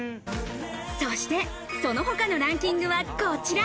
そしてその他のランキングはこちら。